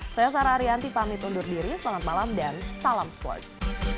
saya sarah arianti pamit undur diri selamat malam dan salam sports